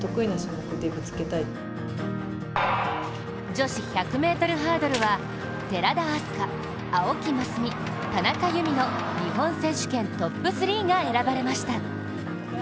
女子１００ｍハードルは、寺田明日香青木益未、田中佑美の日本選手権トップ３が選ばれました。